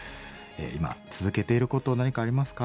今続けていること何かありますか？